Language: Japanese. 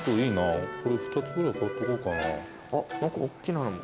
あっ何かおっきなのも。